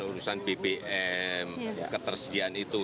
urusan bbm ketersediaan itu